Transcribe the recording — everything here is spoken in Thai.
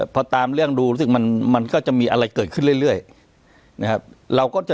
พอตามเรื่องดูรู้สึกมันมันก็จะมีอะไรเกิดขึ้นเรื่อยนะครับเราก็จะ